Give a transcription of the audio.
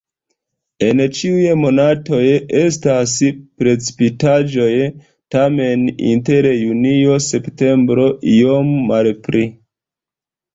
En ĉiuj monatoj estas precipitaĵoj, tamen inter junio-septembro iom malpli.